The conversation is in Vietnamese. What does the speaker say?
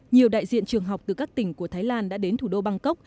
nhiều đại diện trường học từ các tỉnh của thái lan đã đến thủ đô bangkok